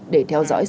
để theo dõi sự kiện